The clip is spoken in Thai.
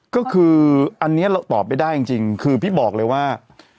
ก็คืออันนี้เราตอบไม่ได้จริงคือพี่บอกเลยว่า